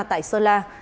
tại sơn la